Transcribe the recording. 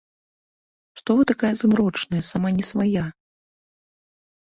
Што вы такая змрочная, сама не свая?